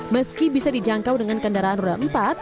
meski bisa dijangkau dengan kendaraan roda empat